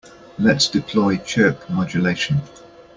Let's deploy chirp modulation.